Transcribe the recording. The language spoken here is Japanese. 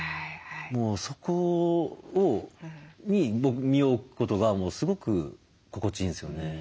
もうそこに身を置くことがすごく心地いいんですよね。